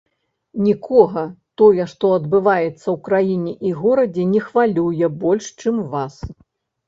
Нікога тое, што адбываецца ў краіне і горадзе, не хвалюе больш, чым вас.